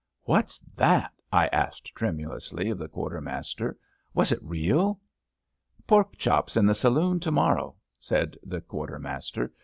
'' What's that? ^' I asked tremulously of the quartermaster. Was it real? 'Pork chops in the saloon to morrow, *' said the quartermaster.